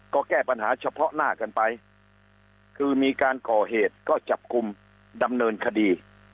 ก็แก้ปัญหาเฉพาะหน้ากันไปคือมีการก่อเหตุก็จับกลุ่มดำเนินคดี